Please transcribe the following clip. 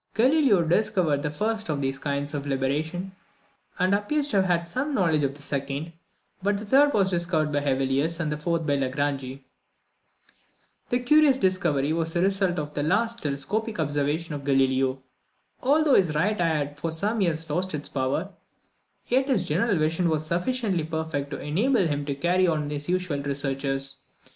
Galileo discovered the first of these kinds of libration, and appears to have had some knowledge of the second; but the third was discovered by Hevelius, and the fourth by Lagrange. This curious discovery was the result of the last telescopic observations of Galileo. Although his right eye had for some years lost its power, yet his general vision was sufficiently perfect to enable him to carry on his usual researches.